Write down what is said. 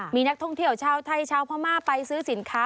มีนักท่องเที่ยวชาวไทยชาวพม่าไปซื้อสินค้า